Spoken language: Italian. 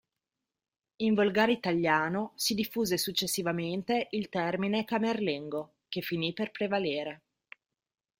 In volgare italiano si diffuse successivamente il termine "camerlengo", che finì per prevalere.